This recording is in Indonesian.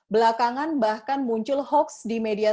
belakangan bahkan muncul hoax di media